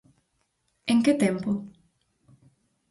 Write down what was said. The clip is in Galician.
En que tempo?